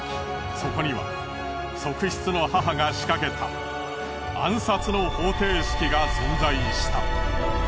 そこには側室の母が仕掛けた暗殺の方程式が存在した。